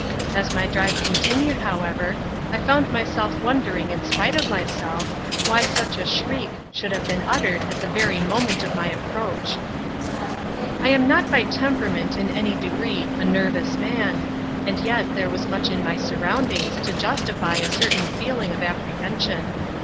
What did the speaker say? As my drive continued, however I found myself wondering in spite of myself why such a shriek should have been uttered at the very moment of my approach. I am not by temperament in any degree a nervous man, and yet there was much in my surroundings to justify a certain feeling of apprehension.